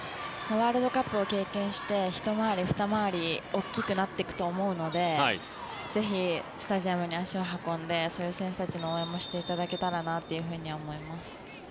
ワールドカップを経験してひと回り、ふた回り大きくなっていくと思うのでぜひスタジアムに足を運んでそういう選手たちの応援もしていただけたらなと思います。